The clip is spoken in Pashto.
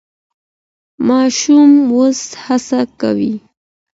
ماشوم اوس هڅه کوي.